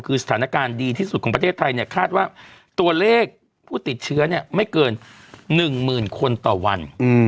คือสถานการณ์ดีที่สุดของประเทศไทยเนี่ยคาดว่าตัวเลขผู้ติดเชื้อไม่เกิน๑๐๐๐คนต่อวัน